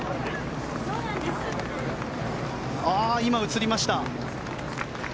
今、映りました。